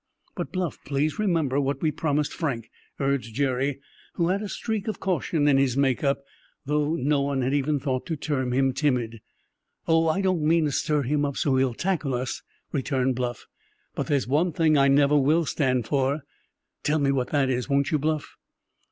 "But, Bluff, please remember what we promised Frank," urged Jerry, who had a streak of caution in his make up, though no one had ever thought to term him timid. "Oh, I don't mean to stir him up so he'll tackle us," returned Bluff; "but there's one thing I never will stand for." "Tell me what that is, won't you, Bluff?"